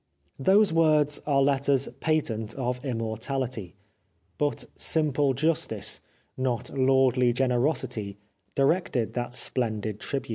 Those words are letters patent of immortahty; but simple justice, not lordly generosity, directed that splendid tribute.